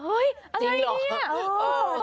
เฮ้ยอะไรเนี่ย